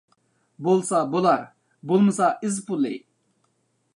بولسا بولار، بولمىسا ئىز پۇلى.